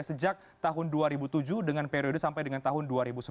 sejak tahun dua ribu tujuh dengan periode sampai dengan tahun dua ribu sembilan